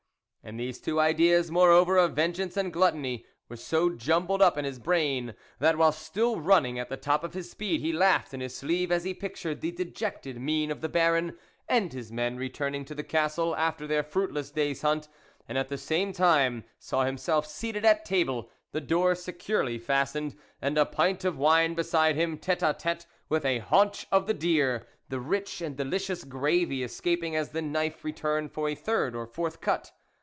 And these two ideas, moreover, of vengeance and gluttony, were so jumbled up in his brain, that while still running at the top of his speed he laughed in his sleeve, as he pictured the dejected mien of the Baron and his men returning to the castle after their fruitless day's hunt, and at the same time saw himself seated at table, the door securely fastened, and a pint of wine beside him, tete a tete with a haunch of the deer, the rich and delicious gravy escaping as the knife returned for a third or fourth cut.